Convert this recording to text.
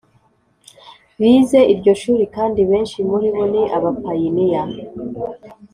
Bize iryo shuri kandi benshi muri bo ni abapayiniya